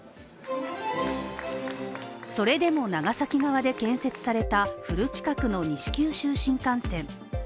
それで長崎側で建設されたフル規格の西九州新幹線。